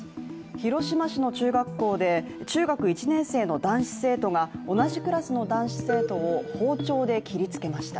広島市の中学校で中学１年生の男子生徒が同じクラスの男子生徒を包丁で切りつけました。